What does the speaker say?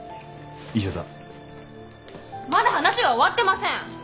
まだ話は終わってません。